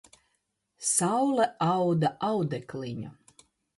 Saule auda audekliņu